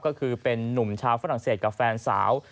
ก็คือเป็นนุ่มชาวฝรั่งเศสกับแฟนสาว